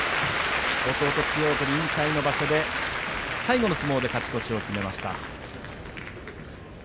弟、千代鳳引退の場所で最後の相撲で勝ち越しを決めました。